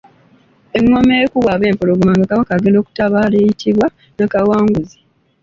Engoma ekubwa Abempologoma nga Kabaka agenda okutabaala eyitibwa Nnakawanguzi.